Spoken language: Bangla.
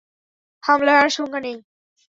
হামলার আর আশঙ্কা নেই।